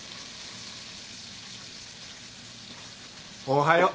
おはよう。